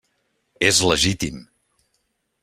És legítim.